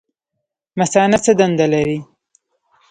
مثانه څه دنده لري؟